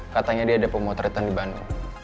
katanya dia ada pemotretan di bandung